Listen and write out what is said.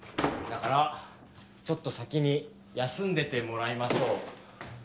だからちょっと先に休んでてもらいましょう。